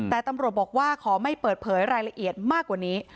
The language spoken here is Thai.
แต่ตำรวจบอกว่าขอไม่เปิดเผยรายละเอียดมากกว่านี้